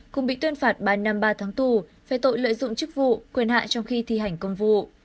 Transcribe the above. cùng bị tuyên phạt ba năm ba tháng tù về tội lợi dụng chức vụ quyền hạn trong khi thi hành công vụ